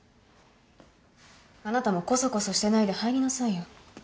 あなたもこそこそしてないで入りなさいよ。